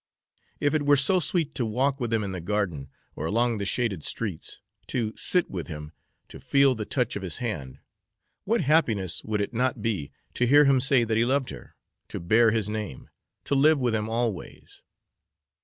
If it were so sweet to walk with him in the garden, or along the shaded streets, to sit with him, to feel the touch of his hand, what happiness would it not be to hear him say that he loved her to bear his name, to live with him always.